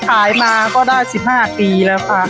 ขายมาก็ได้๑๕ปีแล้วค่ะ